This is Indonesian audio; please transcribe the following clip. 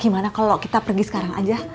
gimana kalau kita pergi sekarang aja